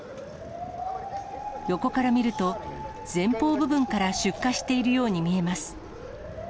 横から見ると、前方部分から出火しているように見えます。